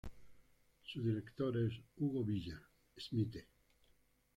Su director es Hugo Villa Smythe.